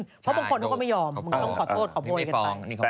เพราะบางคนเขาก็ไม่ยอมมันก็ต้องขอโทษขอโพยกันไป